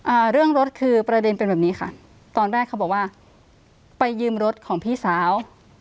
อ่าเรื่องรถคือประเด็นเป็นแบบนี้ค่ะตอนแรกเขาบอกว่าไปยืมรถของพี่สาว